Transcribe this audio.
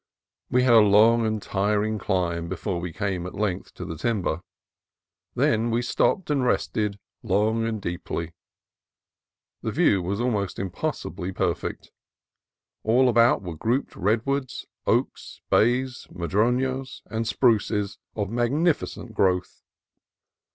We had a long and tiring climb before we came at length to the timber. Then we stopped and rested long and deeply. The view was almost impossibly perfect. All about were grouped redwoods, oaks, bays, madronos, and spruces of magnificent growth.